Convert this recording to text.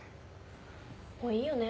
もういいよね？